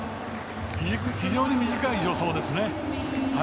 非常に短い助走ですね。